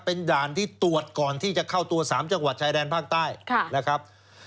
เป็นด่านที่ตรวจก่อนที่จะเข้าตัว๓จังหวัดชายแดนภาคใต้นะครับ